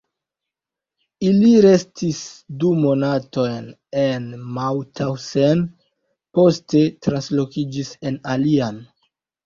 Ili restis du monatojn en Mauthausen, poste translokiĝis en alian.